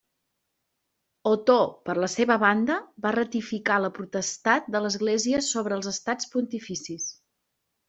Otó per la seva banda va ratificar la potestat de l'Església sobre els Estats Pontificis.